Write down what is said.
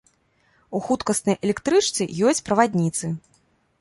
У хуткаснай электрычцы ёсць правадніцы.